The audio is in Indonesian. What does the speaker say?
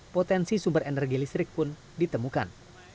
potensi sumber energi listrik pun ditemukan